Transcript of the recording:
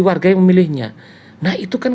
warga yang memilihnya nah itu kan